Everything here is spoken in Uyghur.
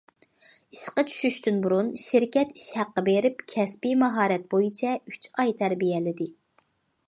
ئىشقا چۈشۈشتىن بۇرۇن شىركەت ئىش ھەققى بېرىپ، كەسپىي ماھارەت بويىچە ئۈچ ئاي تەربىيەلىدى.